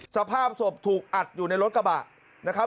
สภาพศพถูกอัดอยู่ในรถกระบะนะครับ